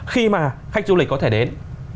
khi mà khách du lịch có thể đến